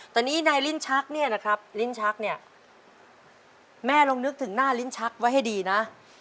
แต่นี่ในลิ้นชักเนี่ยนะครับลิ้นชักเนี่ยแม่ลองนึกถึงหน้าลิ้นชักไว้ให้ดีนะ